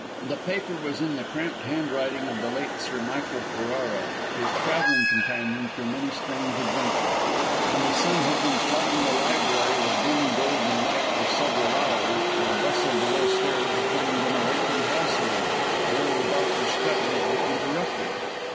The paper was in the cramped handwriting of the late Sir Michael Ferrara, his travelling companion through many strange adventures; and the sun had been flooding the library with dimmed golden light for several hours, and a bustle below stairs acclaiming an awakened household, ere the doctor's studies were interrupted.